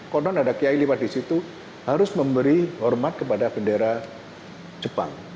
konon ada kiai lewat di situ harus memberi hormat kepada bendera jepang